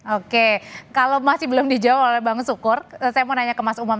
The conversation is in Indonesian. oke kalau masih belum dijawab oleh bang sukur saya mau nanya ke mas umam